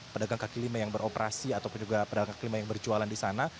pedagang kaki lima yang beroperasi ataupun juga pedagang kaki lima yang berjualan di sana